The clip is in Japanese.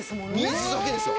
水だけですよ！